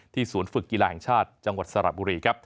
ศูนย์ฝึกกีฬาแห่งชาติจังหวัดสระบุรีครับ